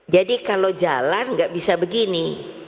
jadi kalau jalan gak bisa begini